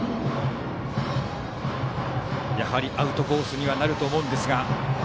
やはりアウトコースにはなると思いますが。